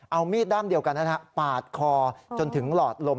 เอามีดด้ามเดียวกันปาดคอจนถึงหลอดลม